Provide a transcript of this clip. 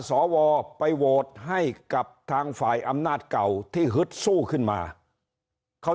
สวไปโหวตให้กับทางฝ่ายอำนาจเก่าที่ฮึดสู้ขึ้นมาเขา